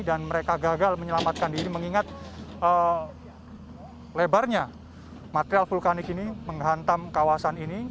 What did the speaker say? dan mereka gagal menyelamatkan diri mengingat lebarnya material vulkanik ini menghantam kawasan ini